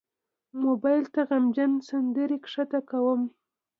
موبایل ته غمجن سندرې ښکته کوم.